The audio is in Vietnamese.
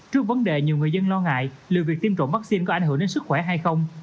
trước vấn đề nhiều người dân lo ngại liệu việc tiêm chủng vaccine có ảnh hưởng đến sức khỏe hay không